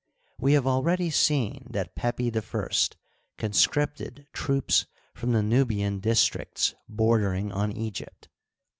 We have already seen that Pepi I conscripted troops from the Nubian dis tricts bordering on Egypt.